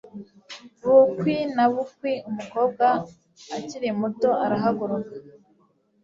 Bukwi na bukwi umukobwa akiri muto arahaguruka